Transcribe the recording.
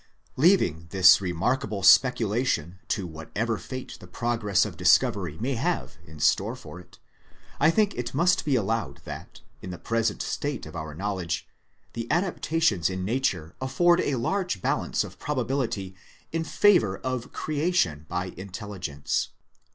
Leaving this remarkable speculation to whatever fate the progress of discovery may have in store for it, I think it must be allowed that, in the present state of our knowledge, the adaptations in Nature afford a large balance of probability in favour of creation by intelligence.